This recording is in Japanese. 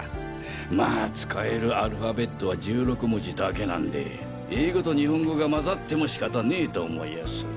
まあ使えるアルファベットは１６文字だけなんで英語と日本語が混ざっても仕方ねぇと思いやす。